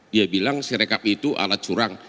dia bilang sirekap itu alat curang